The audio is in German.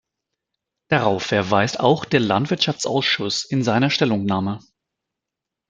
Darauf verweist auch der Landwirtschaftsausschuss in seiner Stellungnahme.